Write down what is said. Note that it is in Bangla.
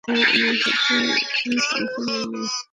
হ্যাঁ, আমরা হয়তো ঠিক আলোচনায় নেই, মানুষজন সেভাবে গোনায়ও ধরছে না।